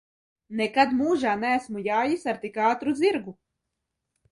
Nekad mūžā neesmu jājis ar tik ātru zirgu!